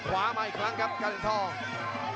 มาอีกครั้งครับยอดเหรียญทอง